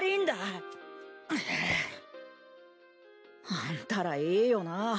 あんたらいいよな。